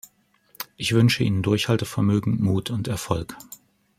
Ich wünsche Ihnen Durchhaltevermögen, Mut und Erfolg.